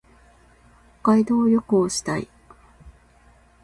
北海道旅行したい。